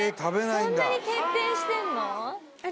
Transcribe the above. そんなに徹底してんの？